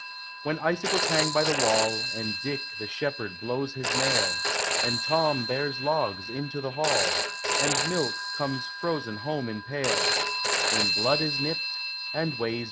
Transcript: When icicles hang by the wall, And Dick the shepherd blows his nail, And Tom bears logs into the hall, And milk conies frozen home in pail, When blood is nipped, ami ways